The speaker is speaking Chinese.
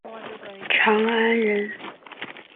长安人。